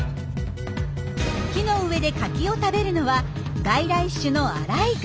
木の上でカキを食べるのは外来種のアライグマ。